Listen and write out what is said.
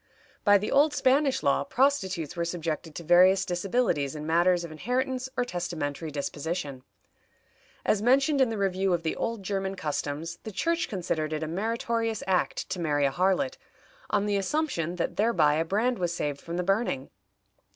By the old Spanish law prostitutes were subjected to various disabilities in matters of inheritance or testamentary disposition. As mentioned in the review of the old German customs, the Church considered it a meritorious act to marry a harlot, on the assumption that thereby a brand was saved from the burning.